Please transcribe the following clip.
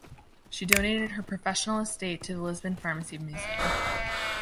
She donated her professional estate to the Lisbon Pharmacy Museum.